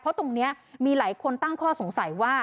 เพราะตรงนี้มีหลายคนตั้งข้อสงสัยว่า